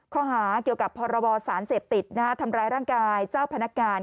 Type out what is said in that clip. ข้อหาเกี่ยวกับพรบสารเสพติดทำร้ายร่างกายเจ้าพนักงาน